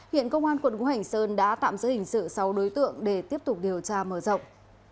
hiện công an quận ngũ hành sơn đã tạm giữ hình sự sáu đối tượng để tiếp tục điều tra mở rộng